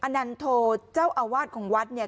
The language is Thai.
นันโทเจ้าอาวาสของวัดเนี่ย